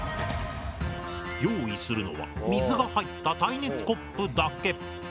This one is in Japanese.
用意するのは水が入った耐熱コップだけ！